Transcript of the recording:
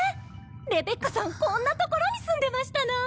レベッカさんこんな所に住んでましたの？